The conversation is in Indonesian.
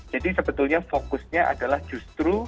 sebetulnya fokusnya adalah justru